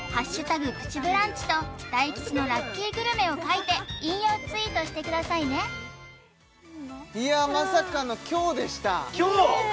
プチブランチと大吉のラッキーグルメを書いて引用ツイートしてくださいねまさかの凶でした凶？